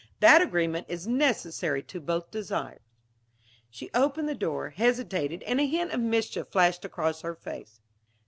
That agreement is necessary to both desires." She opened the door, hesitated and a hint of mischief flashed across her face.